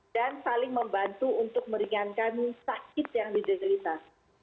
dan saling membantu untuk meringankan sakit yang didetekan